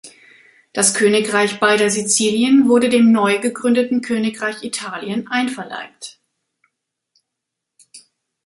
Das Königreich beider Sizilien wurde dem neu gegründeten Königreich Italien einverleibt.